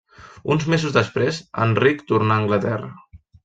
Uns mesos després Enric tornà a Anglaterra.